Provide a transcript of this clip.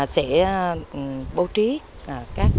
sẽ bố trí các em